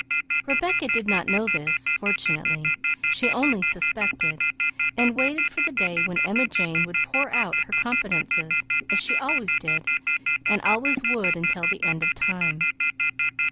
Rebecca did not know this, fortunately; she only suspected, and waited for the day when Emma Jane would pour out her confidences, as she always did, and always would until the end of time.